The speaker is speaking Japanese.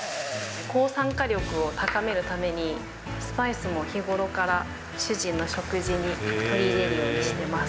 抗酸化力を高めるために、スパイスも日頃から主人の食事に取り入れるようにしてます。